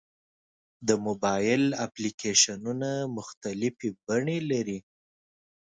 د موبایل اپلیکیشنونه مختلفې بڼې لري.